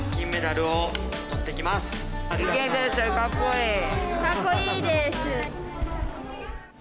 かっこいいです。